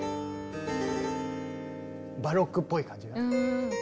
バロックっぽい感じが。